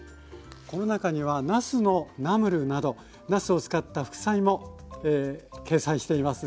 この中にはなすのナムルなどなすを使った副菜も掲載しています。